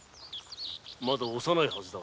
まだ幼いはずだが。